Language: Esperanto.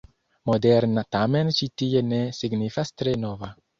”Moderna” tamen ĉi tie ne signifas tre nova.